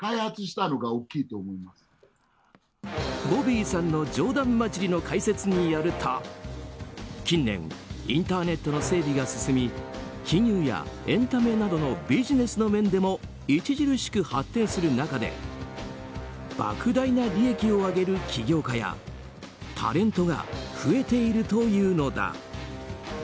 ボビーさんの冗談交じりの解説によると近年、インターネットの整備が進み金融やエンタメなどのビジネスの面でも著しく発展する中で莫大な利益を上げる起業家やタレントが増えているというのだ。